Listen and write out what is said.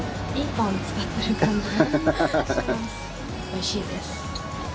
おいしいです。